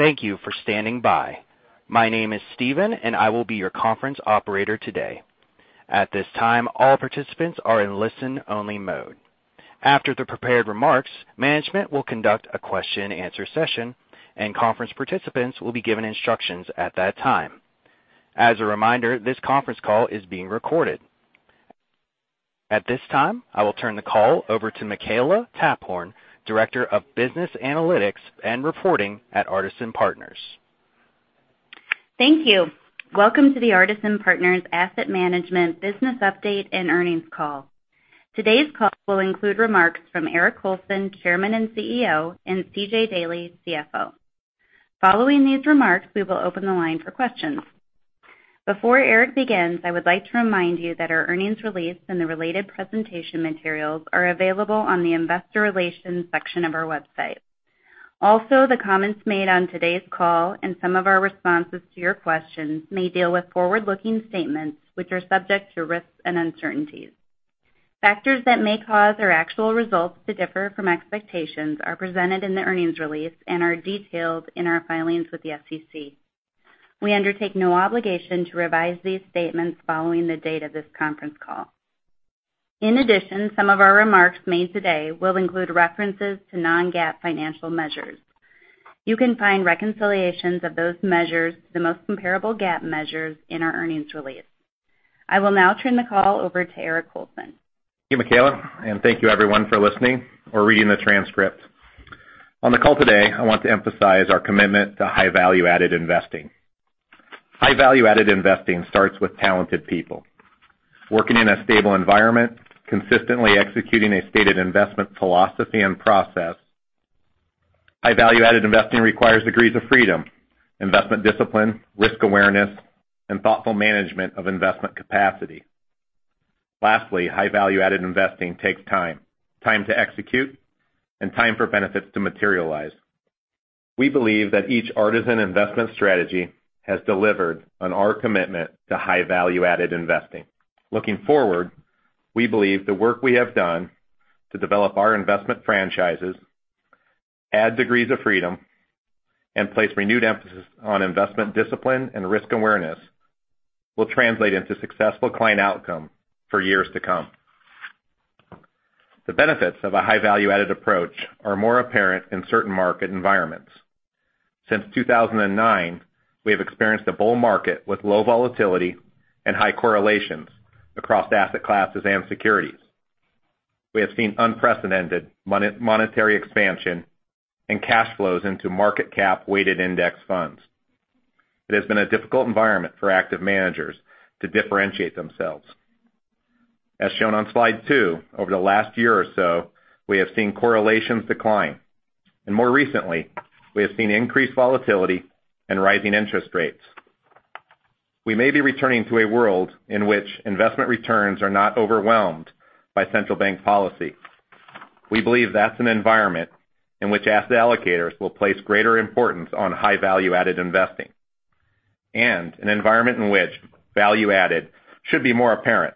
Hello, and thank you for standing by. My name is Steven, and I will be your conference operator today. At this time, all participants are in listen-only mode. After the prepared remarks, management will conduct a question and answer session, and conference participants will be given instructions at that time. As a reminder, this conference call is being recorded. At this time, I will turn the call over to Makela Taphorn, Director of Business Analytics and Reporting at Artisan Partners. Thank you. Welcome to the Artisan Partners Asset Management business update and earnings call. Today's call will include remarks from Eric Colson, Chairman and CEO, and CJ Daley, CFO. Following these remarks, we will open the line for questions. Before Eric begins, I would like to remind you that our earnings release and the related presentation materials are available on the investor relations section of our website. Also, the comments made on today's call and some of our responses to your questions may deal with forward-looking statements which are subject to risks and uncertainties. Factors that may cause our actual results to differ from expectations are presented in the earnings release and are detailed in our filings with the SEC. We undertake no obligation to revise these statements following the date of this conference call. In addition, some of our remarks made today will include references to non-GAAP financial measures. You can find reconciliations of those measures to the most comparable GAAP measures in our earnings release. I will now turn the call over to Eric Colson. Thank you, Makela, and thank you everyone for listening or reading the transcript. On the call today, I want to emphasize our commitment to high value-added investing. High value-added investing starts with talented people. Working in a stable environment, consistently executing a stated investment philosophy and process. High value-added investing requires degrees of freedom, investment discipline, risk awareness, and thoughtful management of investment capacity. Lastly, high value-added investing takes time. Time to execute and time for benefits to materialize. We believe that each Artisan investment strategy has delivered on our commitment to high value-added investing. Looking forward, we believe the work we have done to develop our investment franchises, add degrees of freedom, and place renewed emphasis on investment discipline and risk awareness will translate into successful client outcome for years to come. The benefits of a high value-added approach are more apparent in certain market environments. Since 2009, we have experienced a bull market with low volatility and high correlations across asset classes and securities. We have seen unprecedented monetary expansion and cash flows into market cap weighted index funds. It has been a difficult environment for active managers to differentiate themselves. As shown on slide two, over the last year or so, we have seen correlations decline. More recently, we have seen increased volatility and rising interest rates. We may be returning to a world in which investment returns are not overwhelmed by central bank policy. We believe that's an environment in which asset allocators will place greater importance on high value-added investing, and an environment in which value added should be more apparent.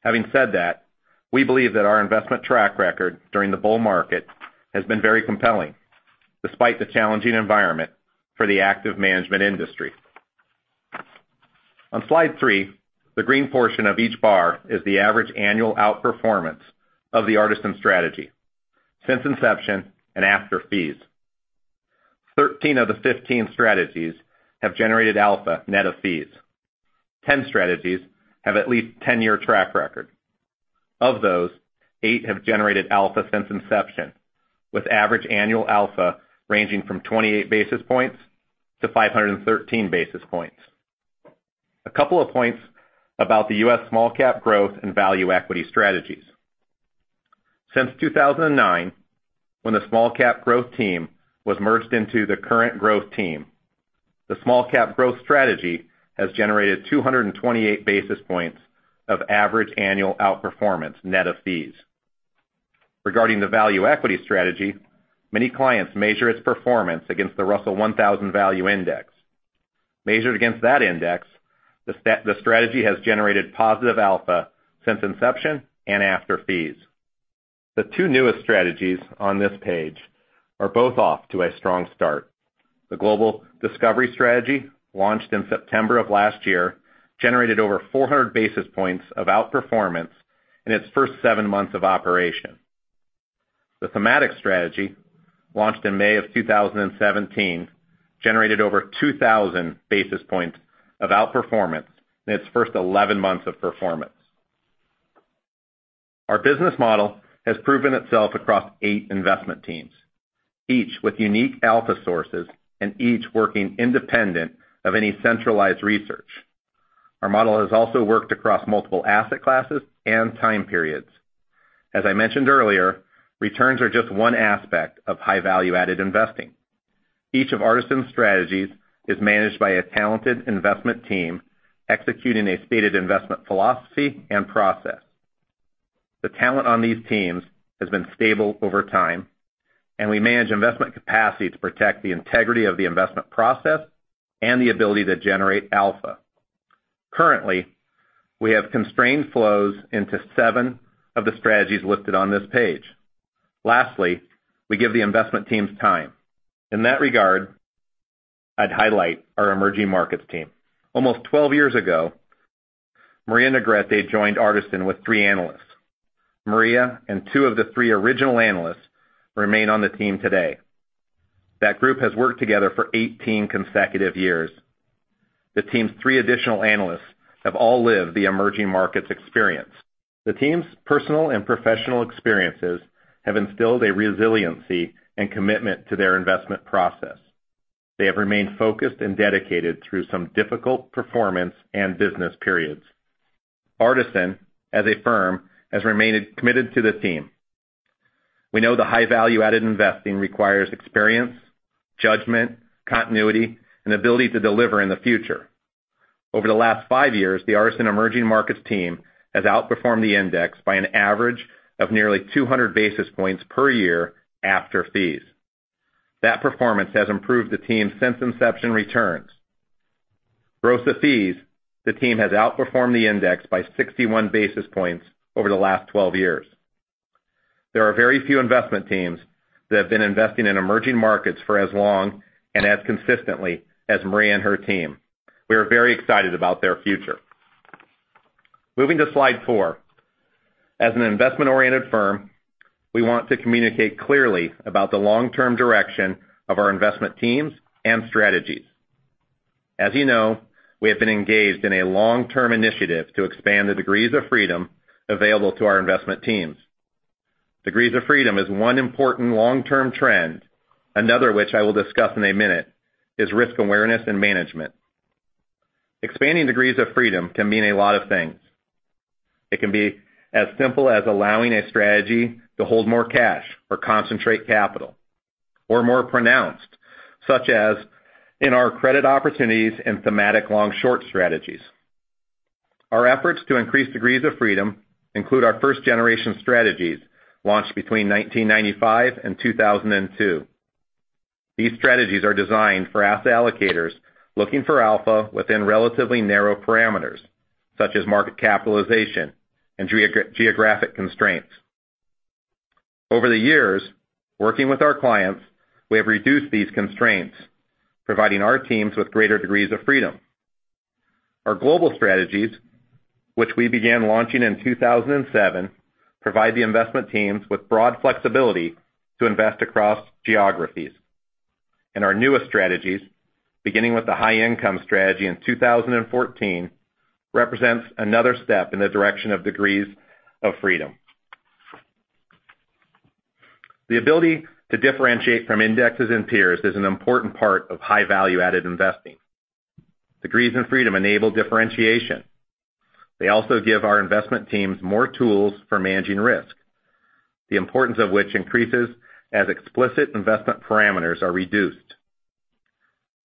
Having said that, we believe that our investment track record during the bull market has been very compelling, despite the challenging environment for the active management industry. On slide three, the green portion of each bar is the average annual outperformance of the Artisan strategy since inception and after fees. 13 of the 15 strategies have generated alpha net of fees. 10 strategies have at least 10-year track record. Of those, 8 have generated alpha since inception, with average annual alpha ranging from 28 basis points to 513 basis points. A couple of points about the U.S. Small-Cap Growth and Value Equity strategies. Since 2009, when the U.S. Small-Cap Growth team was merged into the current growth team, the U.S. Small-Cap Growth strategy has generated 228 basis points of average annual outperformance net of fees. Regarding the Value Equity strategy, many clients measure its performance against the Russell 1000 Value Index. Measured against that index, the strategy has generated positive alpha since inception and after fees. The two newest strategies on this page are both off to a strong start. The Global Discovery strategy, launched in September of last year, generated over 400 basis points of outperformance in its first seven months of operation. The Thematic strategy, launched in May of 2017, generated over 2,000 basis points of outperformance in its first 11 months of performance. Our business model has proven itself across eight investment teams, each with unique alpha sources and each working independent of any centralized research. Our model has also worked across multiple asset classes and time periods. As I mentioned earlier, returns are just one aspect of high value-added investing. Each of Artisan's strategies is managed by a talented investment team executing a stated investment philosophy and process. The talent on these teams has been stable over time, and we manage investment capacity to protect the integrity of the investment process and the ability to generate alpha. Currently, we have constrained flows into seven of the strategies listed on this page. Lastly, I'd highlight our emerging markets team. Almost 12 years ago, Maria Negrete joined Artisan with three analysts. Maria and two of the three original analysts remain on the team today. That group has worked together for 18 consecutive years. The team's three additional analysts have all lived the emerging markets experience. The team's personal and professional experiences have instilled a resiliency and commitment to their investment process. They have remained focused and dedicated through some difficult performance and business periods. Artisan, as a firm, has remained committed to the team. We know the high value-added investing requires experience, judgment, continuity, and ability to deliver in the future. Over the last five years, the Artisan Emerging Markets team has outperformed the index by an average of nearly 200 basis points per year after fees. That performance has improved the team's since inception returns. Gross of fees, the team has outperformed the index by 61 basis points over the last 12 years. There are very few investment teams that have been investing in emerging markets for as long and as consistently as Maria and her team. We are very excited about their future. Moving to slide four. As an investment-oriented firm, we want to communicate clearly about the long-term direction of our investment teams and strategies. As you know, we have been engaged in a long-term initiative to expand the degrees of freedom available to our investment teams. Degrees of freedom is one important long-term trend. Another, which I will discuss in a minute, is risk awareness and management. Expanding degrees of freedom can mean a lot of things. It can be as simple as allowing a strategy to hold more cash or concentrate capital, or more pronounced, such as in our Credit Opportunities and Thematic Long/Short strategies. Our efforts to increase degrees of freedom include our first-generation strategies launched between 1995 and 2002. These strategies are designed for asset allocators looking for alpha within relatively narrow parameters, such as market capitalization and geographic constraints. Over the years, working with our clients, we have reduced these constraints, providing our teams with greater degrees of freedom. Our global strategies, which we began launching in 2007, provide the investment teams with broad flexibility to invest across geographies. Our newest strategies, beginning with the High Income strategy in 2014, represents another step in the direction of degrees of freedom. The ability to differentiate from indexes and peers is an important part of high value-added investing. Degrees of freedom enable differentiation. They also give our investment teams more tools for managing risk, the importance of which increases as explicit investment parameters are reduced.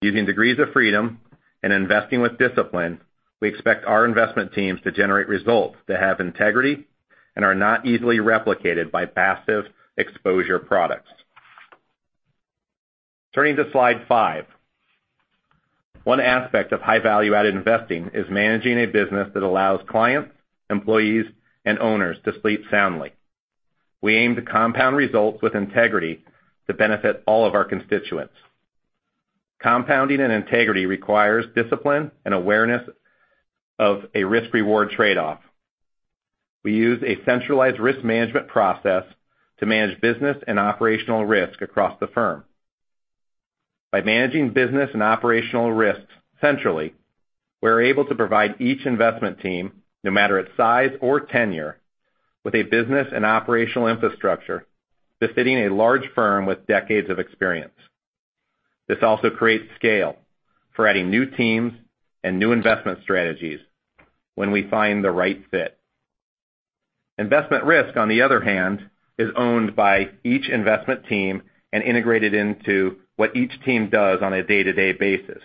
Using degrees of freedom and investing with discipline, we expect our investment teams to generate results that have integrity and are not easily replicated by passive exposure products. Turning to slide five. One aspect of high value-added investing is managing a business that allows clients, employees, and owners to sleep soundly. We aim to compound results with integrity to benefit all of our constituents. Compounding and integrity requires discipline and awareness of a risk-reward trade-off. We use a centralized risk management process to manage business and operational risk across the firm. By managing business and operational risks centrally, we're able to provide each investment team, no matter its size or tenure, with a business and operational infrastructure befitting a large firm with decades of experience. This also creates scale for adding new teams and new investment strategies when we find the right fit. Investment risk, on the other hand, is owned by each investment team and integrated into what each team does on a day-to-day basis.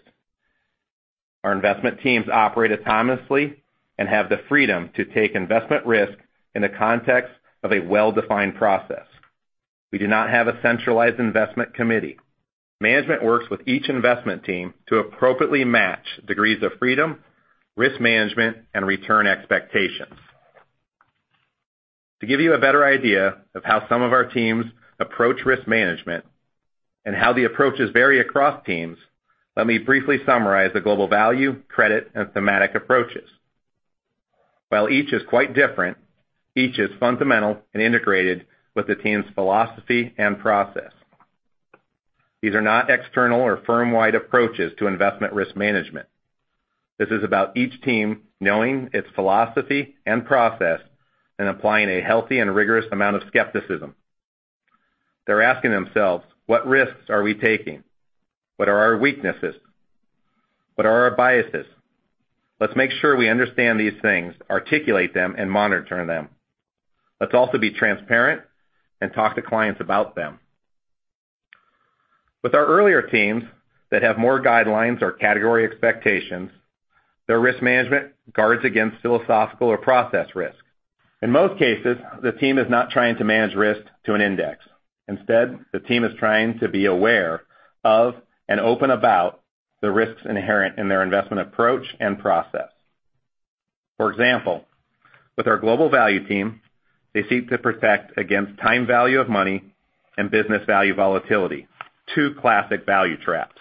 Our investment teams operate autonomously and have the freedom to take investment risk in the context of a well-defined process. We do not have a centralized investment committee. Management works with each investment team to appropriately match degrees of freedom, risk management, and return expectations. To give you a better idea of how some of our teams approach risk management and how the approaches vary across teams, let me briefly summarize the Global Value, Credit, and Thematic approaches. While each is quite different, each is fundamental and integrated with the team's philosophy and process. These are not external or firm-wide approaches to investment risk management. This is about each team knowing its philosophy and process and applying a healthy and rigorous amount of skepticism. They're asking themselves, "What risks are we taking? What are our weaknesses? What are our biases? Let's make sure we understand these things, articulate them, and monitor them. Let's also be transparent and talk to clients about them." With our earlier teams that have more guidelines or category expectations, their risk management guards against philosophical or process risk. In most cases, the team is not trying to manage risk to an index. Instead, the team is trying to be aware of and open about the risks inherent in their investment approach and process. For example, with our Global Value team, they seek to protect against time value of money and business value volatility, two classic value traps.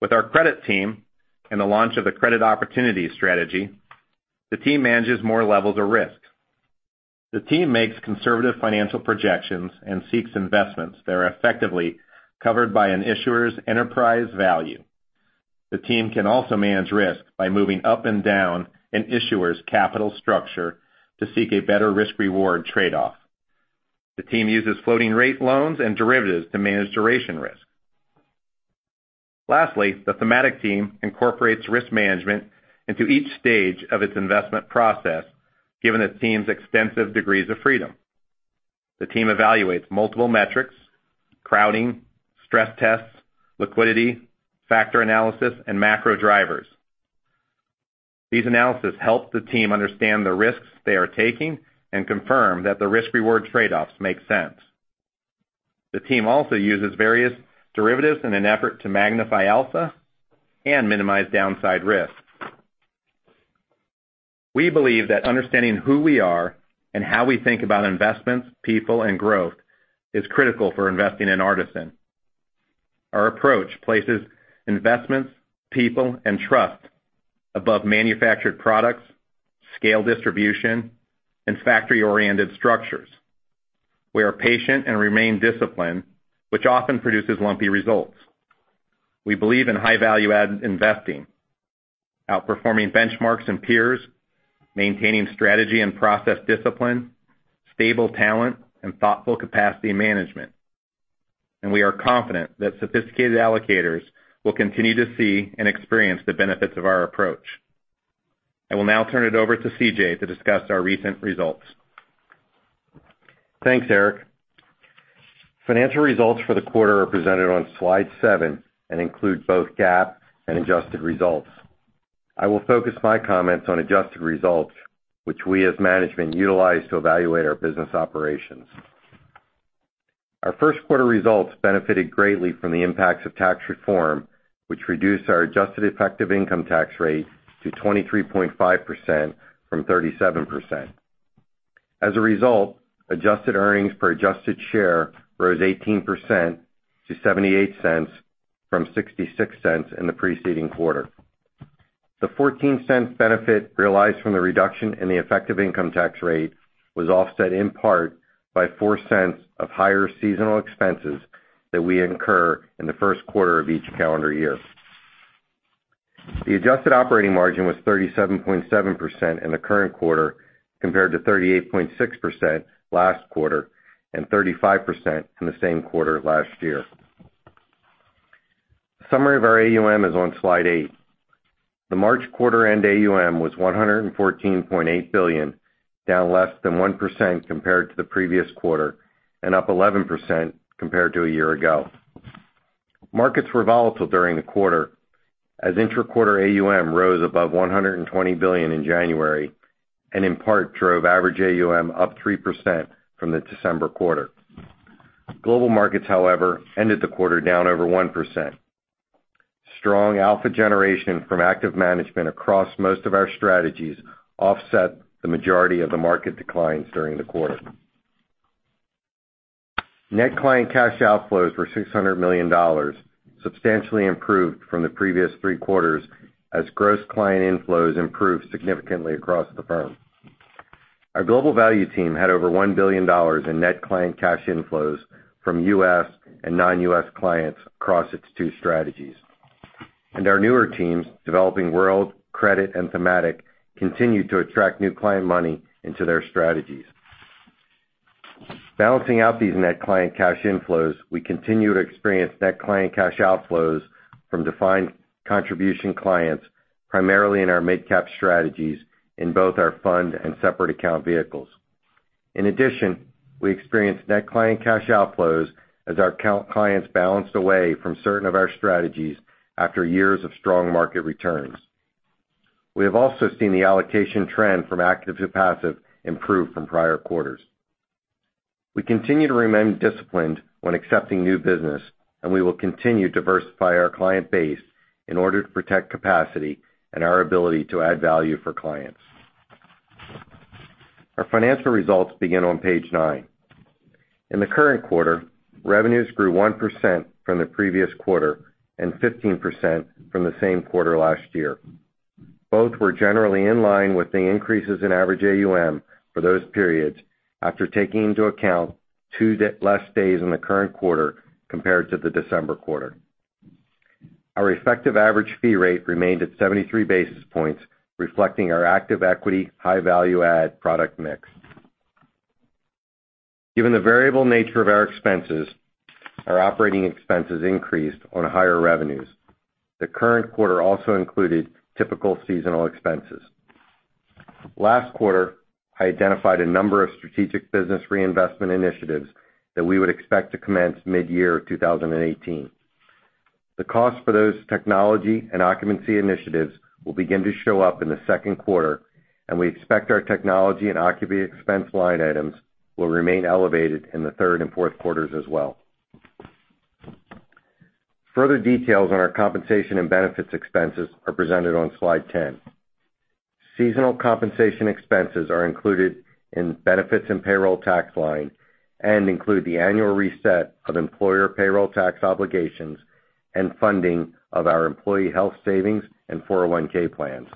With our Credit team and the launch of the Credit Opportunities strategy, the team manages more levels of risk. The team makes conservative financial projections and seeks investments that are effectively covered by an issuer's enterprise value. The team can also manage risk by moving up and down an issuer's capital structure to seek a better risk-reward trade-off. The team uses floating rate loans and derivatives to manage duration risk. Lastly, the Thematic team incorporates risk management into each stage of its investment process, given the team's extensive degrees of freedom. The team evaluates multiple metrics, crowding, stress tests, liquidity, factor analysis, and macro drivers. These analyses help the team understand the risks they are taking and confirm that the risk-reward trade-offs make sense. The team also uses various derivatives in an effort to magnify alpha and minimize downside risk. We believe that understanding who we are and how we think about investments, people, and growth is critical for investing in Artisan. Our approach places investments, people, and trust above manufactured products, scale distribution, and factory-oriented structures. We are patient and remain disciplined, which often produces lumpy results. We believe in high value add investing, outperforming benchmarks and peers, maintaining strategy and process discipline, stable talent, and thoughtful capacity management. We are confident that sophisticated allocators will continue to see and experience the benefits of our approach. I will now turn it over to C.J. to discuss our recent results. Thanks, Eric. Financial results for the quarter are presented on slide seven and include both GAAP and adjusted results. I will focus my comments on adjusted results, which we as management utilize to evaluate our business operations. Our first quarter results benefited greatly from the impacts of tax reform, which reduced our adjusted effective income tax rate to 23.5% from 37%. Adjusted earnings per adjusted share rose 18% to $0.78 from $0.66 in the preceding quarter. The $0.14 benefit realized from the reduction in the effective income tax rate was offset in part by $0.04 of higher seasonal expenses that we incur in the first quarter of each calendar year. The adjusted operating margin was 37.7% in the current quarter, compared to 38.6% last quarter and 35% in the same quarter last year. A summary of our AUM is on slide eight. The March quarter end AUM was $114.8 billion, down less than 1% compared to the previous quarter, and up 11% compared to a year ago. Markets were volatile during the quarter as intra-quarter AUM rose above $120 billion in January, and in part drove average AUM up 3% from the December quarter. Global markets, however, ended the quarter down over 1%. Strong alpha generation from active management across most of our strategies offset the majority of the market declines during the quarter. Net client cash outflows were $600 million, substantially improved from the previous three quarters as gross client inflows improved significantly across the firm. Our Global Value team had over $1 billion in net client cash inflows from U.S. and non-U.S. clients across its two strategies. Our newer teams, Developing World, Credit, and Thematic, continue to attract new client money into their strategies. Balancing out these net client cash inflows, we continue to experience net client cash outflows from defined contribution clients, primarily in our Mid-Cap strategies in both our fund and separate account vehicles. We experienced net client cash outflows as our account clients balanced away from certain of our strategies after years of strong market returns. We have also seen the allocation trend from active to passive improve from prior quarters. We continue to remain disciplined when accepting new business, we will continue to diversify our client base in order to protect capacity and our ability to add value for clients. Our financial results begin on page nine. In the current quarter, revenues grew 1% from the previous quarter and 15% from the same quarter last year. Both were generally in line with the increases in average AUM for those periods, after taking into account two less days in the current quarter compared to the December quarter. Our effective average fee rate remained at 73 basis points, reflecting our active equity high value add product mix. Given the variable nature of our expenses, our operating expenses increased on higher revenues. The current quarter also included typical seasonal expenses. Last quarter, I identified a number of strategic business reinvestment initiatives that we would expect to commence mid-year 2018. The cost for those technology and occupancy initiatives will begin to show up in the second quarter, we expect our technology and occupancy expense line items will remain elevated in the third and fourth quarters as well. Further details on our compensation and benefits expenses are presented on slide 10. Seasonal compensation expenses are included in benefits and payroll tax line and include the annual reset of employer payroll tax obligations and funding of our employee health savings and 401(k) plans.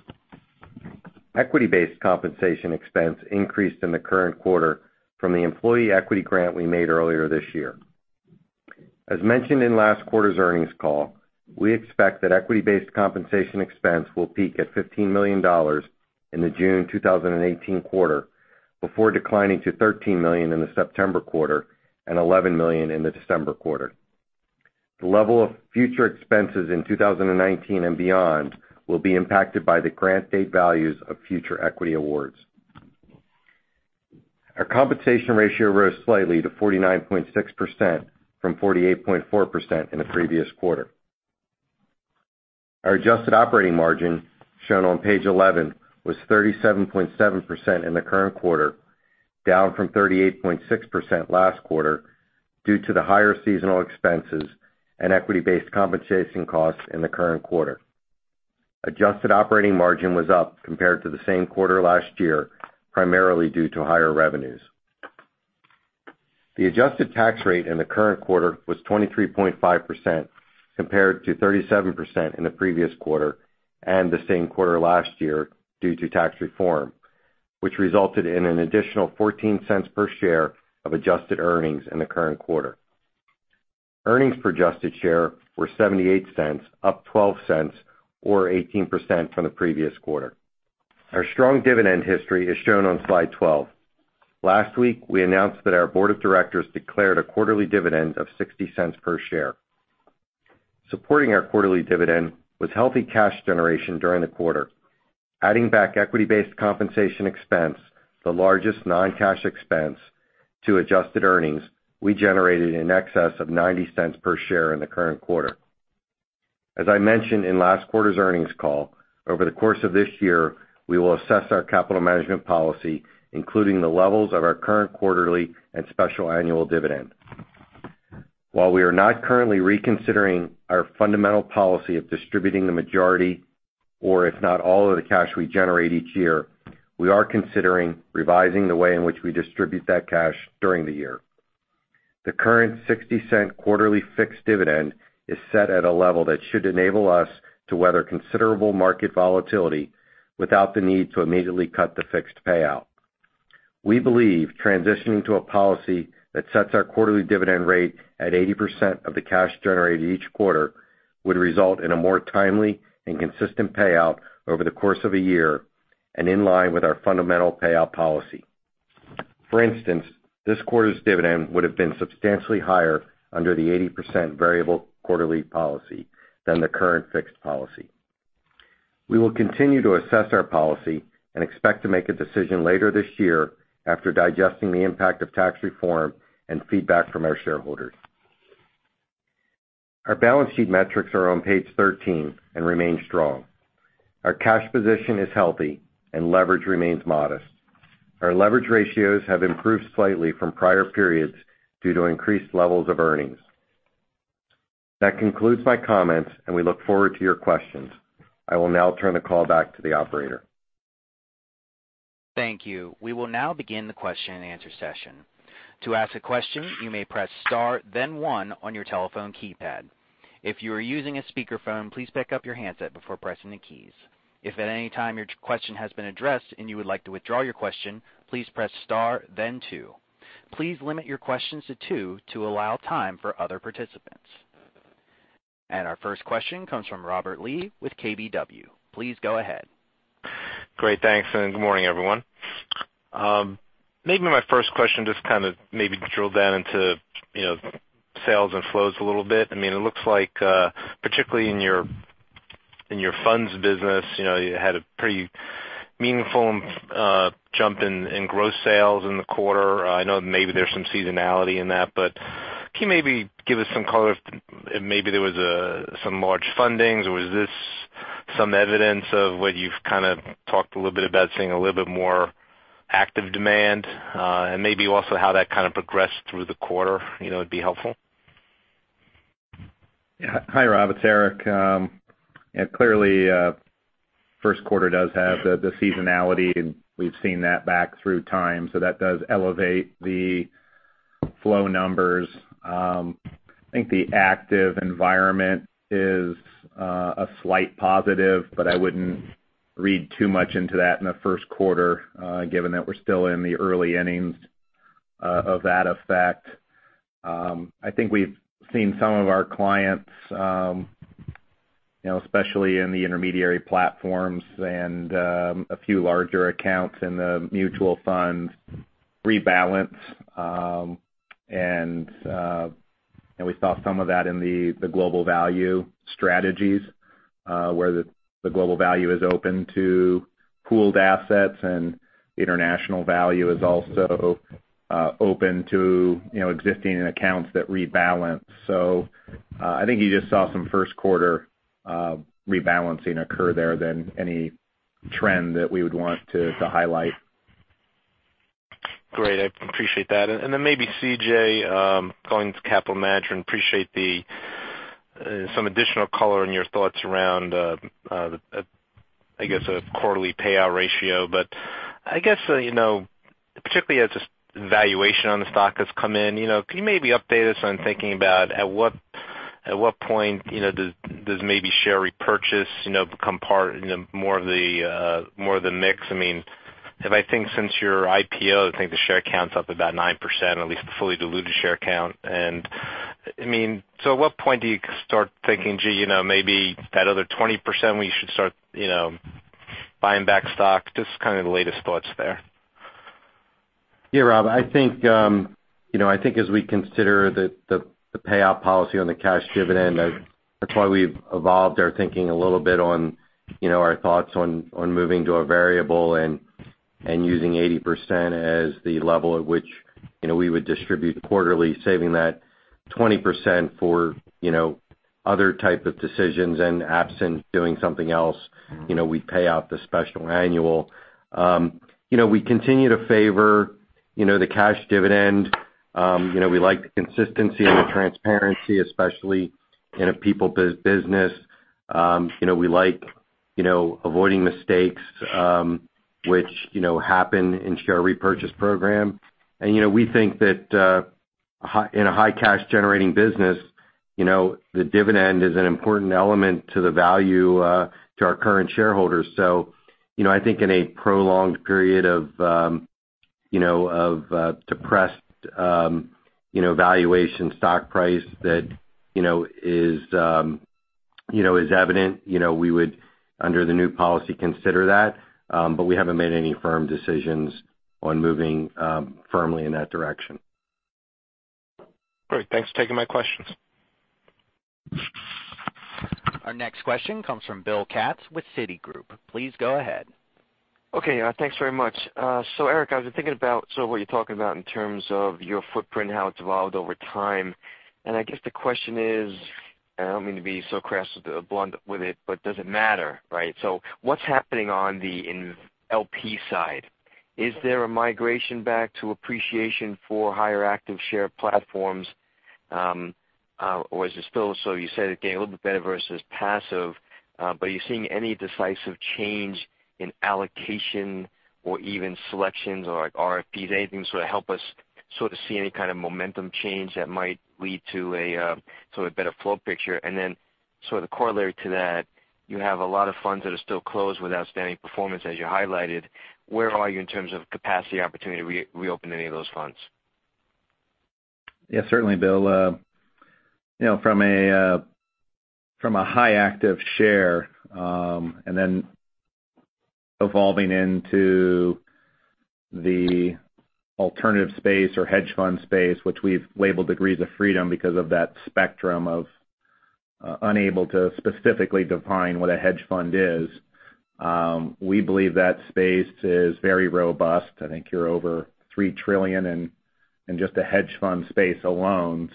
Equity-based compensation expense increased in the current quarter from the employee equity grant we made earlier this year. As mentioned in last quarter's earnings call, we expect that equity-based compensation expense will peak at $15 million in the June 2018 quarter, before declining to $13 million in the September quarter and $11 million in the December quarter. The level of future expenses in 2019 and beyond will be impacted by the grant date values of future equity awards. Our compensation ratio rose slightly to 49.6% from 48.4% in the previous quarter. Our adjusted operating margin, shown on page 11, was 37.7% in the current quarter, down from 38.6% last quarter due to the higher seasonal expenses and equity-based compensation costs in the current quarter. Adjusted operating margin was up compared to the same quarter last year, primarily due to higher revenues. The adjusted tax rate in the current quarter was 23.5%, compared to 37% in the previous quarter and the same quarter last year due to tax reform, which resulted in an additional $0.14 per share of adjusted earnings in the current quarter. Earnings per adjusted share were $0.78, up $0.12 or 18% from the previous quarter. Our strong dividend history is shown on slide 12. Last week, we announced that our board of directors declared a quarterly dividend of $0.60 per share. Supporting our quarterly dividend was healthy cash generation during the quarter. Adding back equity-based compensation expense, the largest non-cash expense to adjusted earnings, we generated in excess of $0.90 per share in the current quarter. As I mentioned in last quarter's earnings call, over the course of this year, we will assess our capital management policy, including the levels of our current quarterly and special annual dividend. While we are not currently reconsidering our fundamental policy of distributing the majority, or if not all of the cash we generate each year, we are considering revising the way in which we distribute that cash during the year. The current $0.60 quarterly fixed dividend is set at a level that should enable us to weather considerable market volatility without the need to immediately cut the fixed payout. We believe transitioning to a policy that sets our quarterly dividend rate at 80% of the cash generated each quarter would result in a more timely and consistent payout over the course of a year and in line with our fundamental payout policy. For instance, this quarter's dividend would've been substantially higher under the 80% variable quarterly policy than the current fixed policy. We will continue to assess our policy and expect to make a decision later this year after digesting the impact of tax reform and feedback from our shareholders. Our balance sheet metrics are on page 13 and remain strong. Our cash position is healthy, and leverage remains modest. Our leverage ratios have improved slightly from prior periods due to increased levels of earnings. That concludes my comments. We look forward to your questions. I will now turn the call back to the operator. Thank you. We will now begin the question and answer session. To ask a question, you may press star then one on your telephone keypad. If you are using a speakerphone, please pick up your handset before pressing the keys. If at any time your question has been addressed and you would like to withdraw your question, please press star then two. Please limit your questions to two to allow time for other participants. Our first question comes from Robert Lee with KBW. Please go ahead. Great. Thanks, good morning, everyone. Maybe my first question, just to maybe drill down into sales and flows a little bit. It looks like particularly in your funds business, you had a pretty meaningful jump in gross sales in the quarter. I know maybe there's some seasonality in that, can you maybe give us some color if maybe there was some large fundings, or is this some evidence of what you've talked a little bit about, seeing a little bit more active demand? Maybe also how that progressed through the quarter, it'd be helpful. Yeah. Hi, Rob, it's Eric. Yeah, clearly, first quarter does have the seasonality, we've seen that back through time. That does elevate the flow numbers. I think the active environment is a slight positive, I wouldn't read too much into that in the first quarter, given that we're still in the early innings of that effect. I think we've seen some of our clients, especially in the intermediary platforms and a few larger accounts in the mutual funds rebalance. We saw some of that in the Global Value strategies Where the Global Value is open to pooled assets, International Value is also open to existing accounts that rebalance. I think you just saw some first quarter rebalancing occur there than any trend that we would want to highlight. Great. I appreciate that. Maybe CJ, going to Capital Management, appreciate some additional color in your thoughts around, I guess, a quarterly payout ratio. I guess, particularly as this valuation on the stock has come in, can you maybe update us on thinking about at what point does maybe share repurchase become part in more of the mix? If I think since your IPO, I think the share count's up about 9%, at least the fully diluted share count. At what point do you start thinking, gee, maybe that other 20% we should start buying back stock? Just the latest thoughts there. Yeah, Rob, I think as we consider the payout policy on the cash dividend, that's why we've evolved our thinking a little bit on our thoughts on moving to a variable and using 80% as the level at which we would distribute quarterly, saving that 20% for other type of decisions, and absent doing something else we'd pay out the special annual. We continue to favor the cash dividend. We like the consistency and the transparency, especially in a people business. We like avoiding mistakes, which happen in share repurchase program. We think that in a high cash generating business the dividend is an important element to the value to our current shareholders. I think in a prolonged period of depressed valuation stock price that is evident, we would, under the new policy, consider that. We haven't made any firm decisions on moving firmly in that direction. Great. Thanks for taking my questions. Our next question comes from Bill Katz with Citigroup. Please go ahead. Okay. Thanks very much. Eric, I've been thinking about what you're talking about in terms of your footprint and how it's evolved over time. I guess the question is, I don't mean to be so crass with the blunt with it, but does it matter, right? What's happening on the LP side? Is there a migration back to appreciation for higher active share platforms? Is it still, you said it's getting a little bit better versus passive. Are you seeing any decisive change in allocation or even selections or like RFPs, anything to help us see any kind of momentum change that might lead to a better flow picture? The corollary to that, you have a lot of funds that are still closed with outstanding performance, as you highlighted. Where are you in terms of capacity opportunity to reopen any of those funds? Yeah, certainly Bill. From a high active share, and then evolving into the alternative space or hedge fund space, which we've labeled degrees of freedom because of that spectrum of unable to specifically define what a hedge fund is. We believe that space is very robust. I think you're over $3 trillion in just the hedge fund space alone.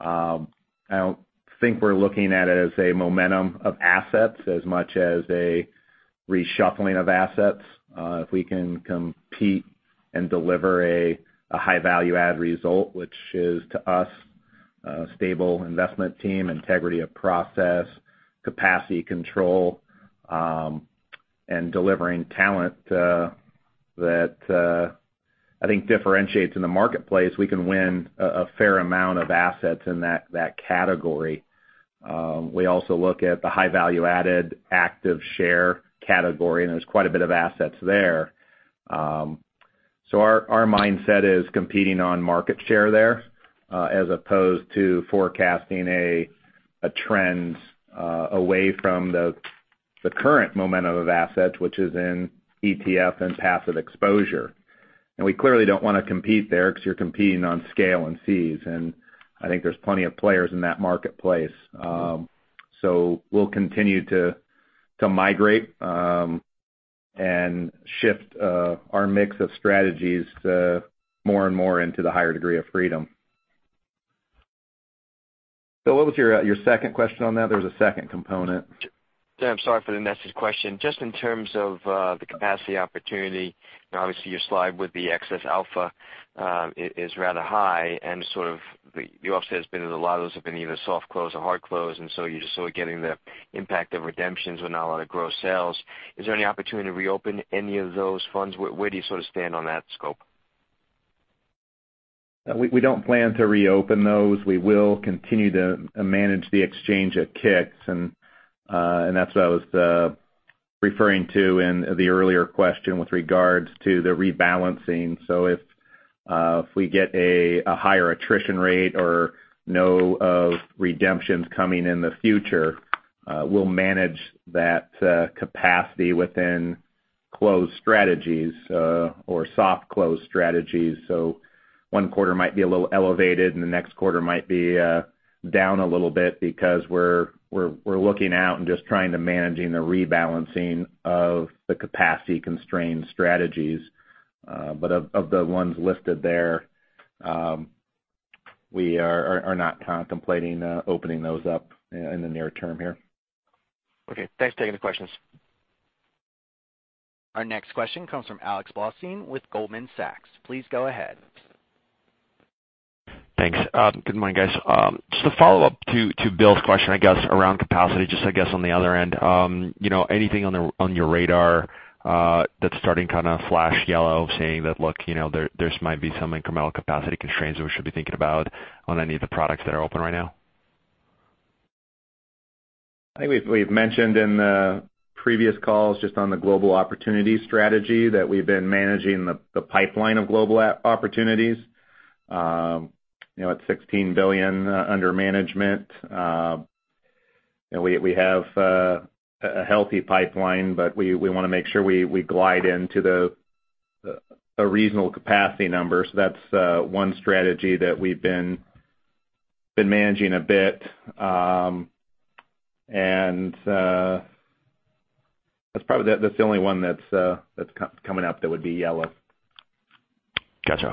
I don't think we're looking at it as a momentum of assets as much as a reshuffling of assets. If we can compete and deliver a high value add result, which is to us, a stable investment team, integrity of process, capacity control, and delivering talent, that I think differentiates in the marketplace, we can win a fair amount of assets in that category. We also look at the high value added active share category, and there's quite a bit of assets there. Our mindset is competing on market share there, as opposed to forecasting a trend away from the current momentum of assets, which is in ETF and passive exposure. We clearly don't want to compete there because you're competing on scale and fees, and I think there's plenty of players in that marketplace. We'll continue to migrate, and shift our mix of strategies more and more into the higher degree of freedom. Bill, what was your second question on that? There was a second component. Yeah, I'm sorry for the nested question. Just in terms of the capacity opportunity, obviously your slide with the excess alpha is rather high, and you also had said a lot of those have been either soft close or hard close, so you're just getting the impact of redemptions with not a lot of gross sales. Is there any opportunity to reopen any of those funds? Where do you stand on that scope? We don't plan to reopen those. We will continue to manage the exchange of KICs, that's what I was referring to in the earlier question with regards to the rebalancing. If we get a higher attrition rate or know of redemptions coming in the future, we'll manage that capacity within closed strategies or soft closed strategies. One quarter might be a little elevated, the next quarter might be down a little bit because we're looking out and just trying to managing the rebalancing of the capacity-constrained strategies. Of the ones listed there, we are not contemplating opening those up in the near term here. Okay. Thanks for taking the questions. Our next question comes from Alexander Blostein with Goldman Sachs. Please go ahead. Thanks. Good morning, guys. Just a follow-up to Bill's question, I guess, around capacity, just I guess, on the other end. Anything on your radar that's starting to flash yellow saying that, "Look, there might be some incremental capacity constraints that we should be thinking about on any of the products that are open right now? I think we've mentioned in the previous calls just on the Global Opportunities strategy that we've been managing the pipeline of Global Opportunities. At $16 billion under management, we have a healthy pipeline, but we want to make sure we glide into the reasonable capacity numbers. That's one strategy that we've been managing a bit. That's the only one that's coming up that would be yellow. Got you.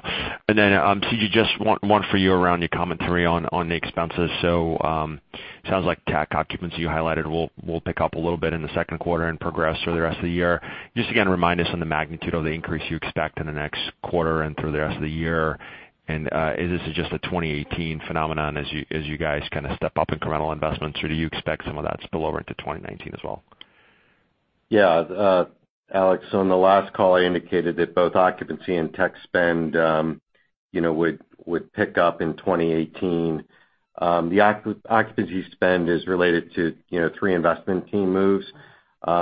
CJ, just one for you around your commentary on the expenses. Sounds like tech occupancy you highlighted will pick up a little bit in the second quarter and progress through the rest of the year. Just again, remind us on the magnitude of the increase you expect in the next quarter and through the rest of the year. Is this just a 2018 phenomenon as you guys step up incremental investments, or do you expect some of that spill over into 2019 as well? Yeah. Alex, on the last call, I indicated that both occupancy and tech spend would pick up in 2018. The occupancy spend is related to three investment team moves,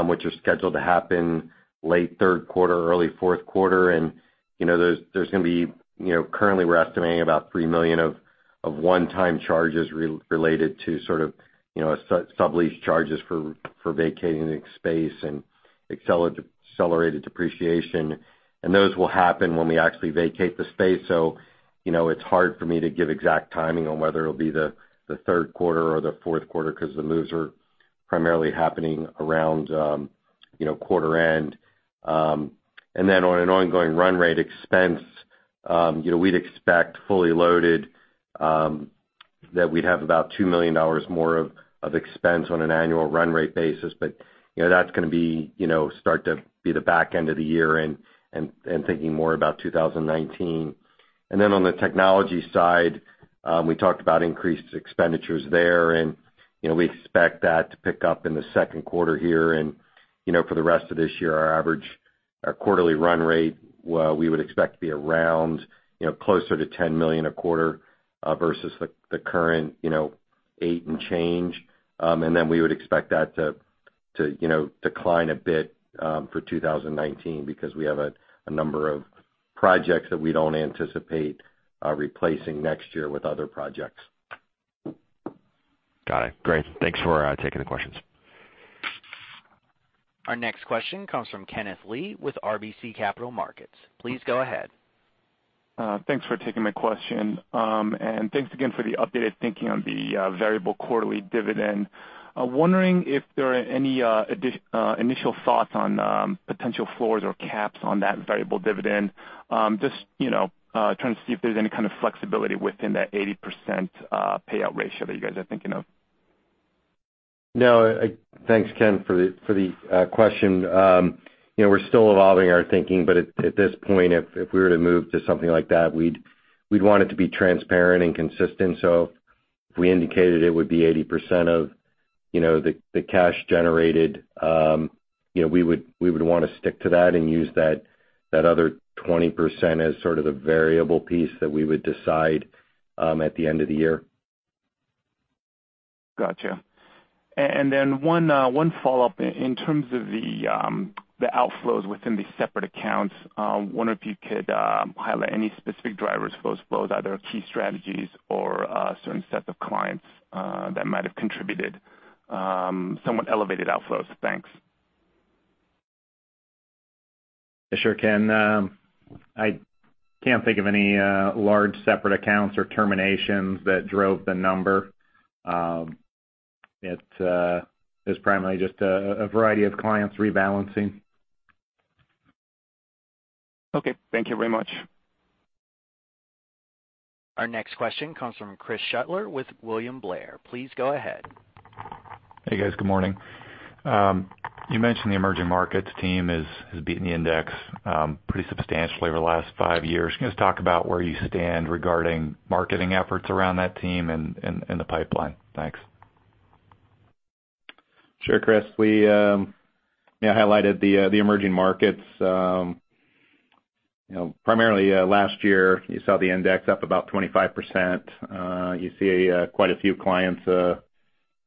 which are scheduled to happen late third quarter, early fourth quarter. Currently we're estimating about $3 million of one-time charges related to sort of sublease charges for vacating the space and accelerated depreciation. Those will happen when we actually vacate the space. It's hard for me to give exact timing on whether it'll be the third quarter or the fourth quarter because the moves are primarily happening around quarter end. On an ongoing run rate expense, we'd expect fully loaded that we'd have about $2 million more of expense on an annual run rate basis. That's going to start to be the back end of the year and thinking more about 2019. On the technology side, we talked about increased expenditures there, we expect that to pick up in the second quarter here. For the rest of this year, our average quarterly run rate, we would expect to be closer to $10 million a quarter versus the current eight and change. We would expect that to decline a bit for 2019 because we have a number of projects that we don't anticipate replacing next year with other projects. Got it. Great. Thanks for taking the questions. Our next question comes from Kenneth Lee with RBC Capital Markets. Please go ahead. Thanks for taking my question. Thanks again for the updated thinking on the variable quarterly dividend. Wondering if there are any initial thoughts on potential floors or caps on that variable dividend. Just trying to see if there's any kind of flexibility within that 80% payout ratio that you guys are thinking of. No. Thanks, Ken, for the question. We're still evolving our thinking, at this point, if we were to move to something like that, we'd want it to be transparent and consistent. If we indicated it would be 80% of the cash generated, we would want to stick to that and use that other 20% as sort of the variable piece that we would decide at the end of the year. Got you. One follow-up. In terms of the outflows within the separate accounts, wondering if you could highlight any specific drivers for those flows. Are there key strategies or a certain set of clients that might have contributed somewhat elevated outflows? Thanks. Sure, Ken. I can't think of any large separate accounts or terminations that drove the number. It is primarily just a variety of clients rebalancing. Okay. Thank you very much. Our next question comes from Chris Shutler with William Blair. Please go ahead. Hey, guys. Good morning. You mentioned the emerging markets team has beaten the index pretty substantially over the last five years. Can you just talk about where you stand regarding marketing efforts around that team and the pipeline? Thanks. Sure, Chris. We highlighted the emerging markets. Primarily last year, you saw the index up about 25%. You see quite a few clients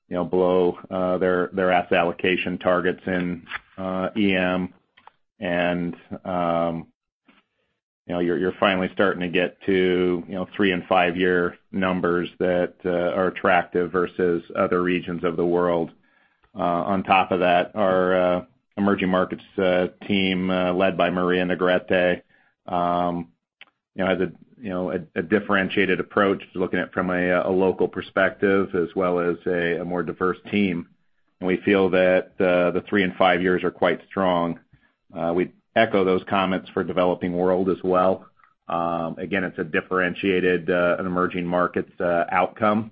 below their asset allocation targets in EM. You're finally starting to get to three and five-year numbers that are attractive versus other regions of the world. On top of that, our emerging markets team, led by Maria Negrete-Gruson, has a differentiated approach to looking at it from a local perspective, as well as a more diverse team. We feel that the three and five years are quite strong. We echo those comments for Developing World as well. Again, it's a differentiated, an emerging markets outcome.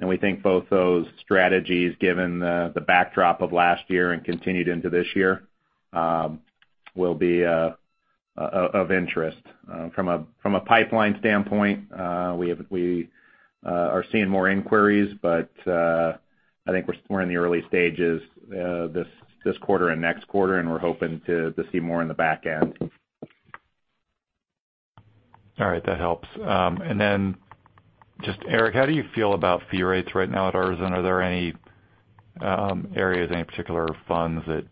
We think both those strategies, given the backdrop of last year and continued into this year, will be of interest. From a pipeline standpoint, we are seeing more inquiries, but I think we're in the early stages this quarter and next quarter, and we're hoping to see more in the back end. That helps. Eric, how do you feel about fee rates right now at Artisan Partners? Are there any areas, any particular funds that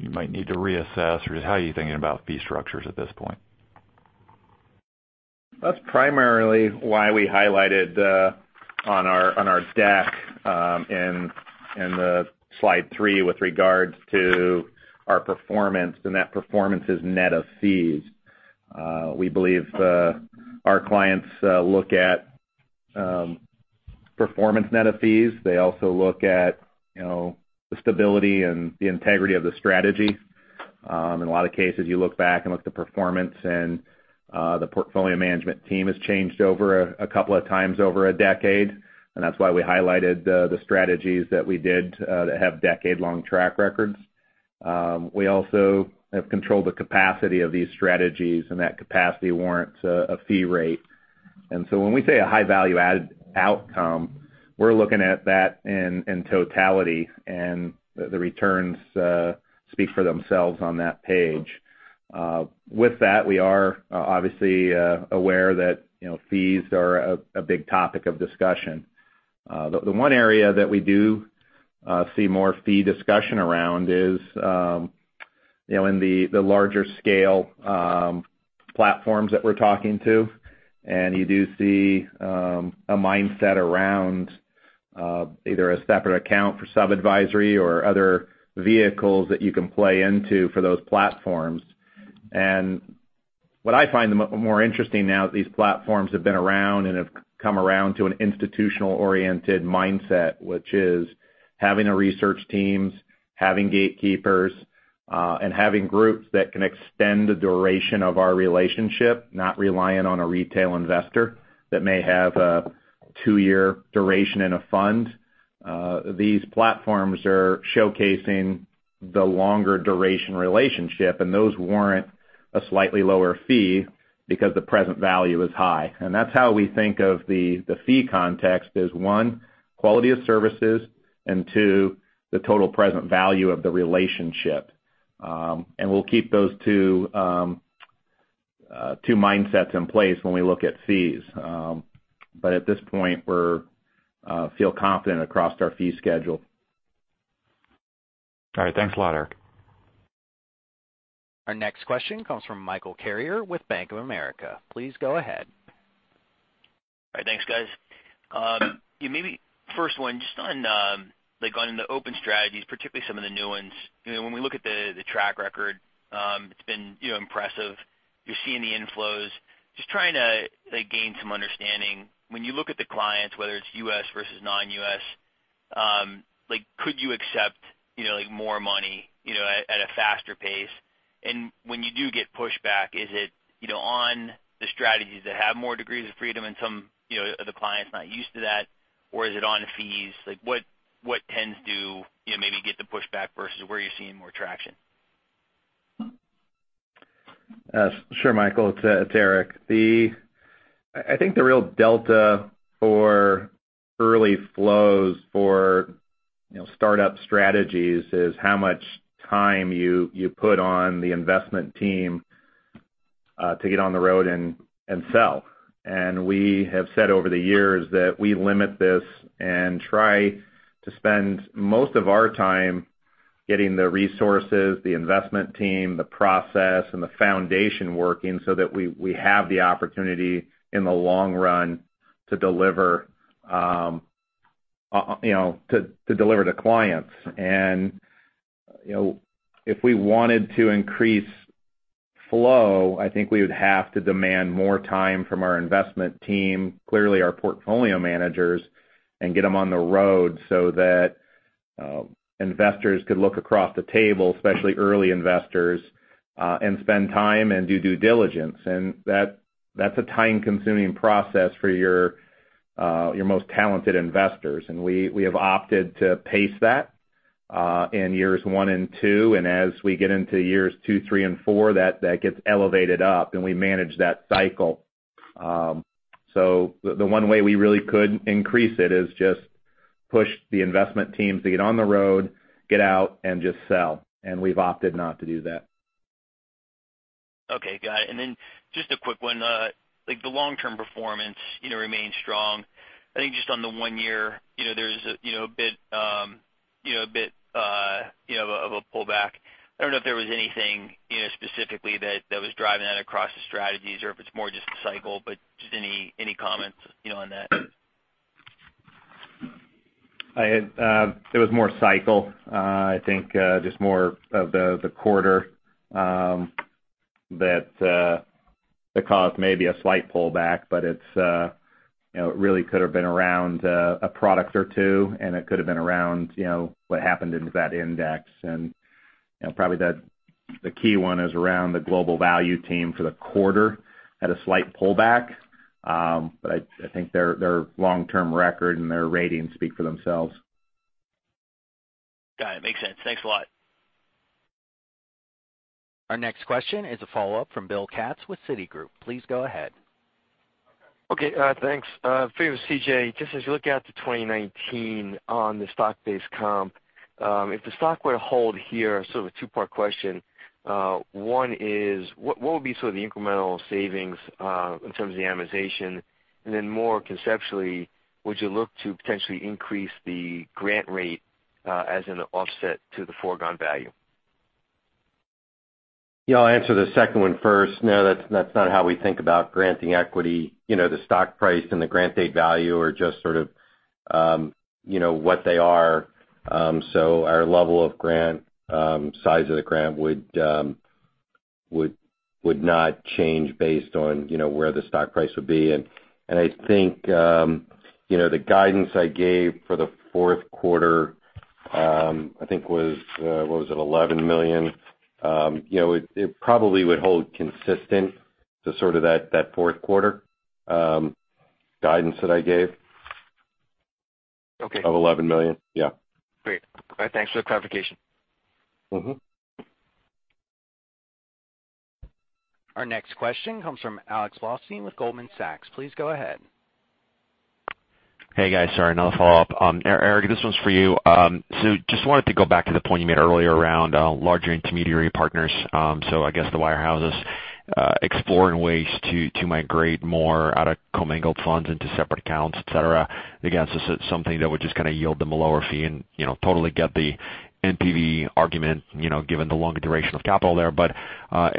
you might need to reassess? How are you thinking about fee structures at this point? That's primarily why we highlighted on our deck in the slide three with regards to our performance, and that performance is net of fees. We believe our clients look at performance net of fees. They also look at the stability and the integrity of the strategy. In a lot of cases, you look back and look at the performance, and the portfolio management team has changed over a couple of times over a decade, and that's why we highlighted the strategies that we did that have decade-long track records. We also have controlled the capacity of these strategies, and that capacity warrants a fee rate. When we say a high value-added outcome, we're looking at that in totality, and the returns speak for themselves on that page. With that, we are obviously aware that fees are a big topic of discussion. The one area that we do see more fee discussion around is in the larger scale platforms that we're talking to. You do see a mindset around either a separate account for sub-advisory or other vehicles that you can play into for those platforms. What I find more interesting now is these platforms have been around and have come around to an institutional-oriented mindset. Which is having a research teams, having gatekeepers, and having groups that can extend the duration of our relationship, not reliant on a retail investor that may have a two-year duration in a fund. These platforms are showcasing the longer duration relationship, and those warrant a slightly lower fee because the present value is high. That's how we think of the fee context, is one, quality of services, and two, the total present value of the relationship. We'll keep those two mindsets in place when we look at fees. At this point, we feel confident across our fee schedule. All right. Thanks a lot, Eric. Our next question comes from Michael Carrier with Bank of America. Please go ahead. All right. Thanks, guys. First one, just on the open strategies, particularly some of the new ones. When we look at the track record, it's been impressive. You're seeing the inflows. Just trying to gain some understanding. When you look at the clients, whether it's U.S. versus non-U.S., could you accept more money at a faster pace? When you do get pushback, is it on the strategies that have more degrees of freedom and some of the clients not used to that? Is it on fees? What tends to maybe get the pushback versus where you're seeing more traction? Sure, Michael. It's Eric. I think the real delta for early flows for startup strategies is how much time you put on the investment team to get on the road and sell. We have said over the years that we limit this and try to spend most of our time getting the resources, the investment team, the process, and the foundation working so that we have the opportunity in the long run to deliver to clients. If we wanted to increase flow, I think we would have to demand more time from our investment team, clearly our portfolio managers, and get them on the road so that investors could look across the table, especially early investors, and spend time and do due diligence. That's a time-consuming process for your most talented investors. We have opted to pace that in years one and two. As we get into years two, three, and four, that gets elevated up, and we manage that cycle. The one way we really could increase it is just push the investment teams to get on the road, get out, and just sell. We've opted not to do that. Okay, got it. Just a quick one. The long-term performance remains strong. I think just on the one year, there's a bit of a pullback. I don't know if there was anything specifically that was driving that across the strategies or if it's more just the cycle, but just any comments on that? It was more cycle. I think just more of the quarter that caused maybe a slight pullback, but it really could've been around a product or two, and it could've been around what happened in that index. Probably the key one is around the Global Value team for the quarter had a slight pullback. I think their long-term record and their ratings speak for themselves. Got it. Makes sense. Thanks a lot. Our next question is a follow-up from Bill Katz with Citigroup. Please go ahead. Okay, thanks. For you, CJ, just as you look out to 2019 on the stock-based comp, if the stock were to hold here, sort of a two-part question. One is what would be sort of the incremental savings in terms of the amortization? Then more conceptually, would you look to potentially increase the grant rate as an offset to the foregone value? Yeah, I'll answer the second one first. No, that's not how we think about granting equity. The stock price and the grant date value are just sort of what they are. Our level of grant, size of the grant would not change based on where the stock price would be. I think the guidance I gave for the fourth quarter, I think was, what was it, $11 million. It probably would hold consistent to sort of that fourth quarter guidance that I gave. Okay. Of $11 million. Yeah. Great. All right, thanks for the clarification. Our next question comes from Alexander Blostein with Goldman Sachs. Please go ahead. Hey, guys. Sorry, another follow-up. Eric, this one's for you. Just wanted to go back to the point you made earlier around larger intermediary partners. I guess the wire houses exploring ways to migrate more out of commingled funds into separate accounts, et cetera, against something that would just yield them a lower fee and totally get the NPV argument, given the longer duration of capital there.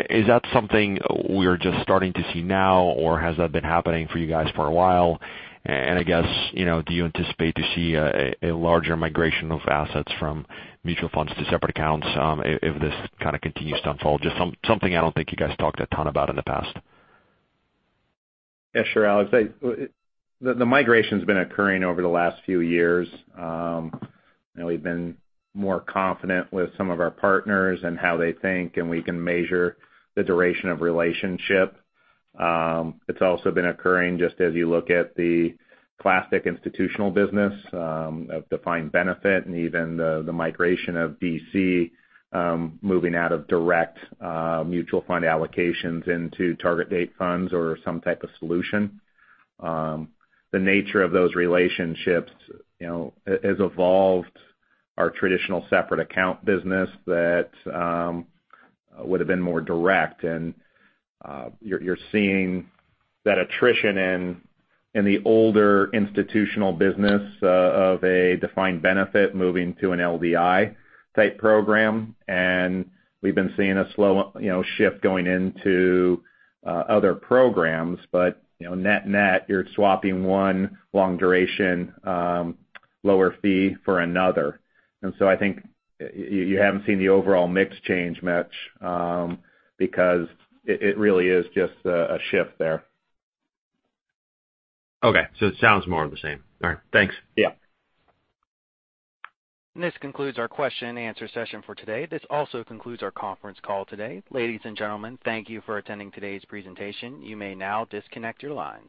Is that something we're just starting to see now, or has that been happening for you guys for a while? I guess, do you anticipate to see a larger migration of assets from mutual funds to separate accounts if this kind of continues to unfold? Just something I don't think you guys talked a ton about in the past. Yeah, sure, Alex. The migration's been occurring over the last few years. We've been more confident with some of our partners and how they think, and we can measure the duration of relationship. It's also been occurring just as you look at the classic institutional business of defined benefit and even the migration of DC moving out of direct mutual fund allocations into target date funds or some type of solution. The nature of those relationships has evolved our traditional separate account business that would've been more direct. You're seeing that attrition in the older institutional business of a defined benefit moving to an LDI type program. We've been seeing a slow shift going into other programs, net net, you're swapping one long duration, lower fee for another. I think you haven't seen the overall mix change much, because it really is just a shift there. Okay. It sounds more of the same. All right, thanks. Yeah. This concludes our question and answer session for today. This also concludes our conference call today. Ladies and gentlemen, thank you for attending today's presentation. You may now disconnect your lines.